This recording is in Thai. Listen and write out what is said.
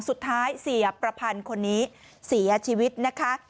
เสียประพันธ์คนนี้เสียชีวิตนะคะ